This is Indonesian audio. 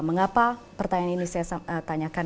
mengapa pertanyaan ini saya tanyakan